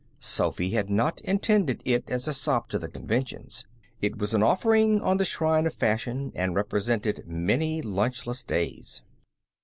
Sophy had not intended it as a sop to the conventions. It was an offering on the shrine of Fashion, and represented many lunchless days.